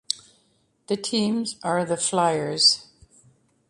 The teams are the Flyers.